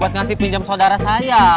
buat ngasih pinjam saudara saya